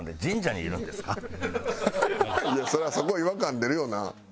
そりゃそこ違和感出るよな。